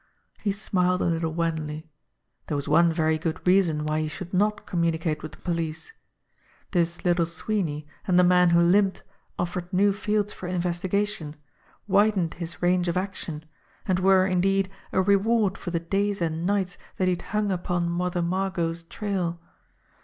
He smiled a little wanly. There was one very good reason why he should not communicate with the police. This Little Sweeney and the man who limped offered new fields for investigation, widened his range of action, and were, indeed, a reward for the days and nights that he had hung upon Mother Margot's trail.